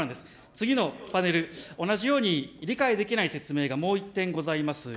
次のパネル、同じように理解できない説明がもう一点ございます。